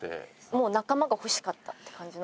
もう仲間が欲しかったって感じなんですか？